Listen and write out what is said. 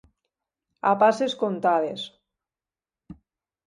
A passes comptades.